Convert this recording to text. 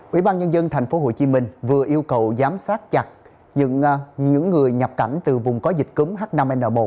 ủy ban nhân dân tp hcm vừa yêu cầu giám sát chặt những người nhập cảnh từ vùng có dịch cúm h năm n một